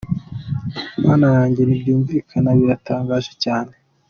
Mana yanjye, ntibyumvikana biratangaje cyane.